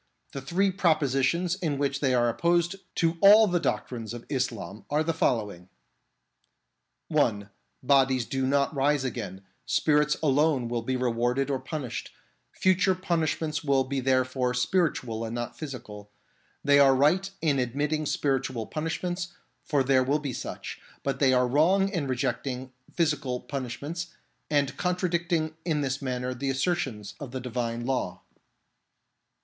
The three propositions in which they are opposed to all the doctrines of Islam are the following : (1) Bodies do not rise again ; spirits alone will be rewarded or punished ; future punishments will be therefore spiritual and not physical. They are right in admitting spiritual punishments, for there will be such ; but they are wrong in re jecting physical punishments, and contradicting in this manner the assertions of the Divine Law.